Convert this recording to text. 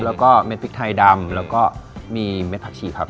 แล้วก็เม็ดพริกไทยดำแล้วก็มีเม็ดผักชีครับ